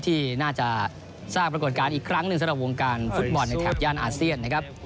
ที่น่าจะสร้างปรากฏการณ์อีกครั้งหนึ่งสำหรับวงการฟุตบอลในแถบย่านอาเซียนนะครับ